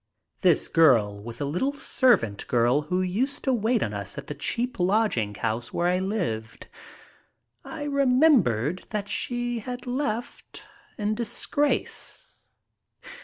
This girl was a little servant girl who used to wait on us at the cheap lodging house where I lived. I remembered that she had left in disgrace.